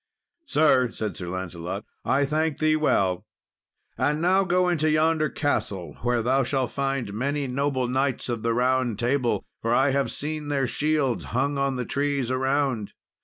"Sir," said Sir Lancelot, "I thank thee well; and now go into yonder castle, where thou shall find many noble knights of the Round Table, for I have seen their shields hung on the trees around.